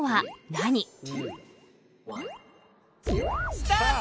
スタート！